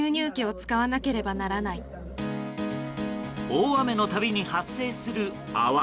大雨の度に発生する泡。